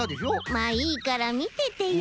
まあいいからみててよ。